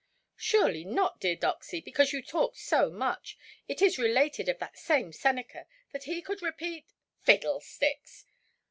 "Surely not, dear Doxy, because you talk so much. It is related of that same Seneca that he could repeat——" "Fiddlesticks.